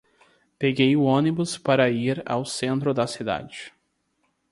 Peguei o ônibus para ir ao centro da cidade.